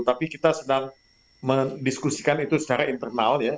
tapi kita sedang mendiskusikan itu secara internal ya